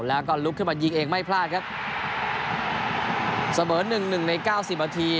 แล้วก็ลุกขึ้นมายิงเองไม่พลาดครับเสมอหนึ่งหนึ่งในเก้าสิบนาที